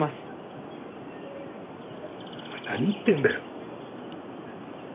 お前何言ってんだよ。